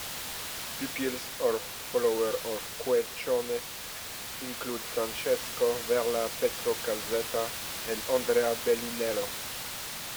Pupils or followers of Squarcione include Francesco Verla, Pietro Calzetta, and Andrea Bellunello.